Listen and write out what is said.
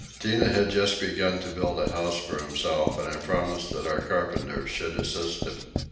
Tinah had just begun to build a house for himself and I promised that our carpenters should assist him.